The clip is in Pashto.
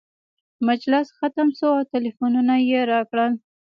مجلس ختم شو او ټلفونونه یې راکړل.